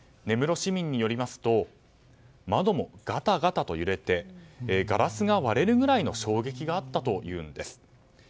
根室市民によりますと窓もガタガタと揺れてガラスが割れるぐらいの衝撃があったと言うんです。